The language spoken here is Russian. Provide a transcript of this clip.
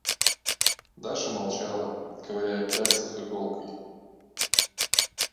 Даша молчала, ковыряя в пяльцах иголкой.